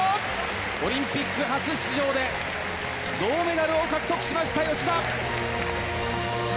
オリンピック初出場で銅メダルを獲得しました、芳田。